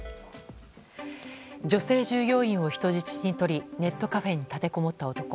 女性従業員を人質に取りネットカフェに立てこもった男。